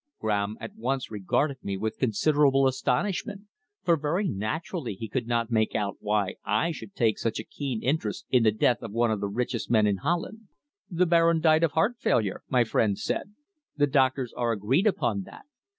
Graham at once regarded me with considerable astonishment, for very naturally he could not make out why I should take such a keen interest in the death of one of the richest men in Holland. "The Baron died of heart failure," my friend said. "The doctors are agreed upon that.